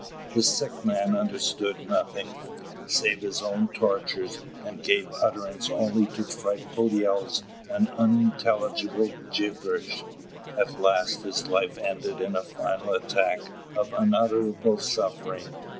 The sick man understood nothing, felt nothing, save his own tortures, and gave utterance only to frightful yells and unintelligible gibberish. At last his life ended in a final attack of unutterable suffering.